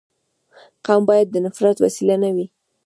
قوم باید د نفرت وسیله نه وي.